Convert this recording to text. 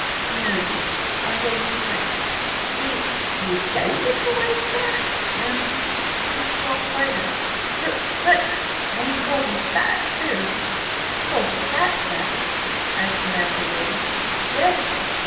"No, Jim. I gave it away." "Ye–ye gave it away, sir?" "M'm. To the small spider." "B but—" "And he called me fat, too." "Called ye fat, sir?" asked the man, bewildered. "Yes.